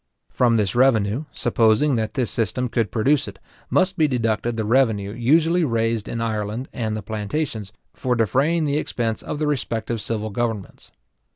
From this revenue, supposing that this system could produce it, must be deducted the revenue usually raised in Ireland and the plantations, for defraying the expense of the respective civil governments.